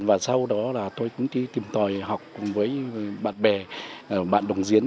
và sau đó là tôi cũng đi tìm tòi học cùng với bạn bè bạn đồng diễn